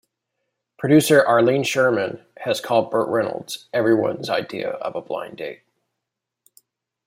Producer Arlene Sherman has called Bert "everyone's idea of a blind date".